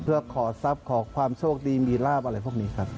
เพื่อขอทรัพย์ขอความโชคดีมีลาบอะไรพวกนี้ครับ